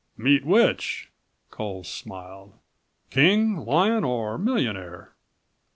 "Meet which?" Coles smiled. "King, lion or millionaire?"